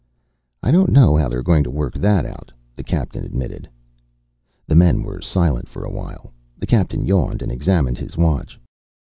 "I don't know how they're going to work that out," the captain admitted. The men were silent for a while. The captain yawned and examined his watch.